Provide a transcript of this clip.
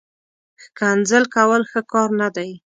ښکنځل کول، ښه کار نه دئ